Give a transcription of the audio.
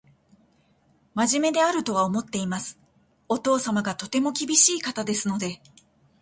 真面目であるとは思っています。お父様がとても厳しい方ですので